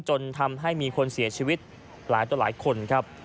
จนทำให้มีคนเสียชีวิตหลายต่อหลายคนครับ